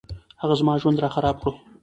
هغه زما ژوند راخراب کړو